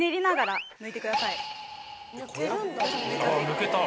抜けた！